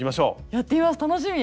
やってみます楽しみ！